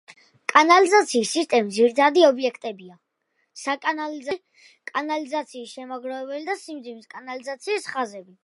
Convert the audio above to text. კანალიზაციის სისტემის ძირითადი ობიექტებია: საკანალიზაციო სატუმბი სადგური, კანალიზაციის შემგროვებელი და სიმძიმის კანალიზაციის ხაზები.